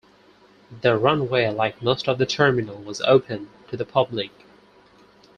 The Runway, like most of the terminal, was open to the public.